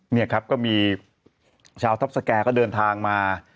นี่ครับก็มีชาวทัพสแก่ก็เดินทางมา